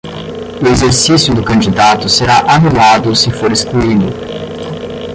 O exercício do candidato será anulado se for excluído.